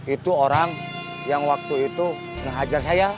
itu orang yang waktu itu menghajar saya